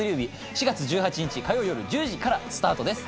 ４月１８日火曜夜１０時からスタートです